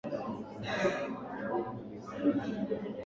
Wajumbe wa nchi za dunia walikuwa wakirudi ukumbini kusikiliza